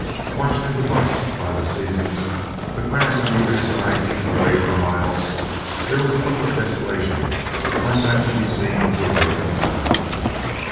Washed into ruts by the seasons, the grass on either side eaten away for miles, there was a look of desolation like that to be seen in the wake of an army.